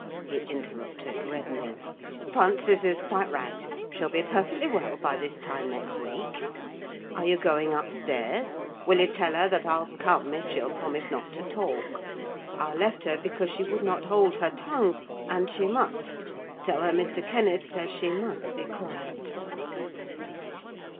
he interrupted, reddening. "Frances is quite right: she'll be perfectly well by this time next week. Are you going upstairs? will you tell her that I'll come, if she'll promise not to talk. I left her because she would not hold her tongue; and she must—tell her Mr. Kenneth says she must be quiet."